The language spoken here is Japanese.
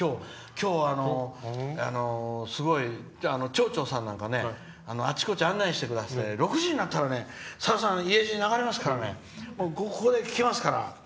今日はすごい町長さんなんかあちこち案内してくださって６時に鳴ったらさださん、「家路」が流れますから僕、ここで聴きますから。